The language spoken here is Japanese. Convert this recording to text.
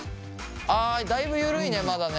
ああだいぶ緩いねまだね。